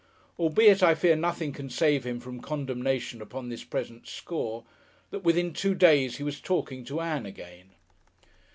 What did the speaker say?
Albeit I fear nothing can save him from condemnation upon this present score, that within two days he was talking to Ann again.